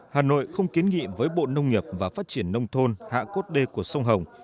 hà nội không kiến nghị với bộ nông nghiệp và phát triển nông thôn hạ cốt đê của sông hồng